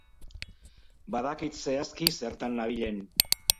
Badakit zehazki zertan nabilen.